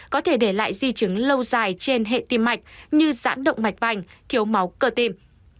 có thể để lại di chứng lâu dài trên hệ tim mạch như giãn động mạch vành thiếu máu cơ tim